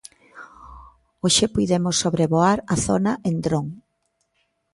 Hoxe puidemos sobrevoar a zona en dron.